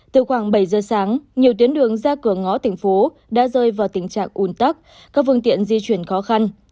từ khoảng bảy giờ sáng nhiều tuyến đường ra cửa ngõ tỉnh phố đã rơi vào tình trạng ùn tắc các phương tiện di chuyển khó khăn